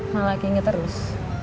malah inget terus